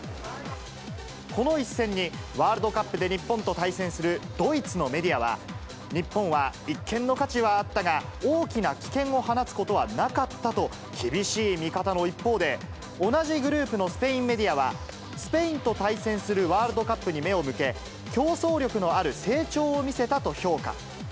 この一戦に、ワールドカップで日本と対戦する、ドイツのメディアは、日本は一見の価値はあったが、大きな危険を放つことはなかったと、厳しい見方の一方で、同じグループのスペインメディアは、スペインと対戦するワールドカップに目を向け、競争力のある成長を見せたと評価。